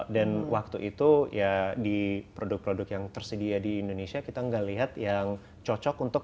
dan waktu itu ya di produk produk yang tersedia di indonesia kita enggak lihat yang cocok untuk